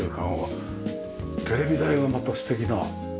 テレビ台がまた素敵な。